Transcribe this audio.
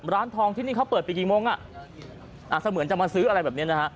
ร้านทองที่นี่เขาเปิดไปกี่โมงอ่ะเสมือนจะมาซื้ออะไรแบบนี้นะฮะ